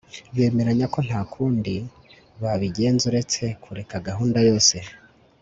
bemeranya ko nta kundi babigenza uretse kureka gahunda yose